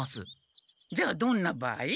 じゃあどんな場合？